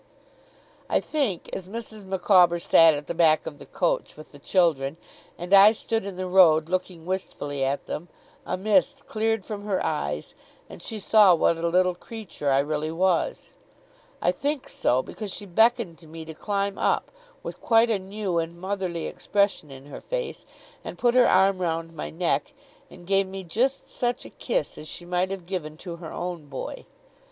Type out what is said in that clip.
I think, as Mrs. Micawber sat at the back of the coach, with the children, and I stood in the road looking wistfully at them, a mist cleared from her eyes, and she saw what a little creature I really was. I think so, because she beckoned to me to climb up, with quite a new and motherly expression in her face, and put her arm round my neck, and gave me just such a kiss as she might have given to her own boy.